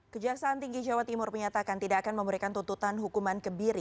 kejaksaan tinggi jawa timur menyatakan tidak akan memberikan tuntutan hukuman kebiri